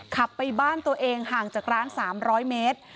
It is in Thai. ขับไปบ้านตัวเองห่างจากร้าน๓๐๐เมตร